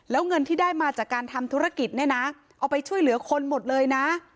แล้วเงินที่ได้มาจากการทำธุรกิจเนี่ยนะเอาไปช่วยเหลือคนหมดเลยนะ